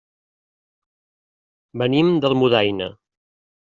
Venim d'Almudaina.